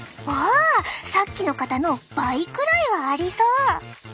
さっきの方の倍くらいはありそう！